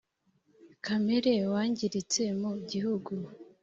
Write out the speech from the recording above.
kamere wangiritse mu gihugu